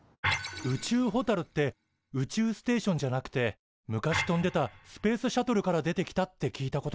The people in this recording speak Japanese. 宇宙ホタルって宇宙ステーションじゃなくて昔飛んでたスペースシャトルから出てきたって聞いたことがある。